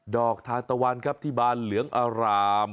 อกทานตะวันครับที่บานเหลืองอาราม